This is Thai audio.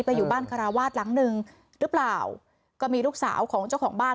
อยู่บ้านคาราวาสหลังหนึ่งหรือเปล่าก็มีลูกสาวของเจ้าของบ้าน